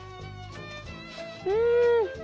うん。